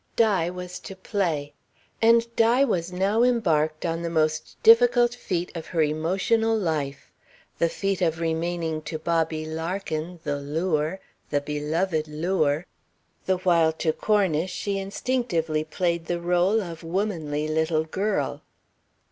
Di was to play. And Di was now embarked on the most difficult feat of her emotional life, the feat of remaining to Bobby Larkin the lure, the beloved lure, the while to Cornish she instinctively played the rôle of womanly little girl.